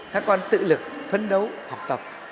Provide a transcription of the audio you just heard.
các con tự lực phấn đấu học tập